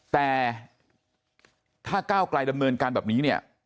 แต่ถ้าก้าวไกลดำเนินการแบบนี้เนี่ย